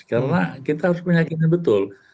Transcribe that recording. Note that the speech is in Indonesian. karena kita harus meyakini betul